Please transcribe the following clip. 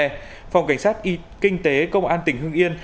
tổ công tác đội chống buôn lậu phòng cảnh sát kinh tế công an tỉnh hưng yên